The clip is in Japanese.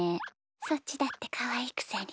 そっちだってかわいいくせに。